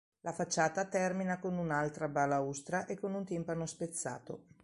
La facciata termina con un'altra balaustra e con un timpano spezzato.